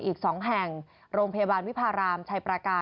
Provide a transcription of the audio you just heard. อีก๒แห่งโรงพยาบาลวิพารามชัยประการ